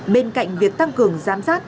bên cạnh việc tăng trưởng doanh thu hiệu quả